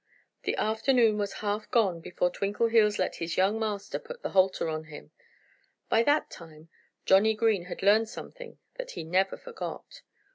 The afternoon was half gone before Twinkleheels let his young master put the halter on him. By that time Johnnie Green had learned something that he never forgot.